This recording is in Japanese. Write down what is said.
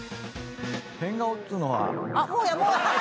変顔っつうのは。